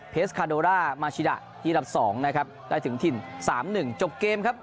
เพชต์คาโดร่ามาชิดะที่ลับสองนะครับได้ถึงถิ่น๓๑จบเกมครับ